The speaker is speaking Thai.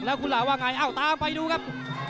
แล้วคุณล่ะว่าไงเอ้าตามไปดูครับ